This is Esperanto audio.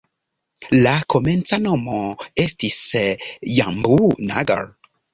La komenca nomo estis "Jambu-Nagar".